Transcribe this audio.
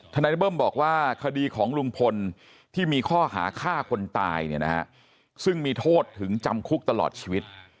นายเบิ้มบอกว่าคดีของลุงพลที่มีข้อหาฆ่าคนตายเนี่ยนะฮะซึ่งมีโทษถึงจำคุกตลอดชีวิต